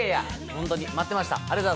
ホントに、待ってました。